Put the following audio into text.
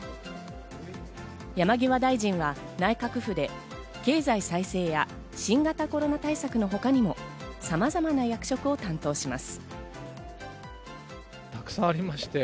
山際大臣は内閣府で経済再生や新型コロナ対策のほかにもさまざまな役職を担当します。